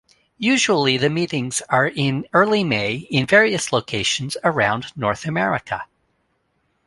Usually the meetings are in early May in various locations around North America.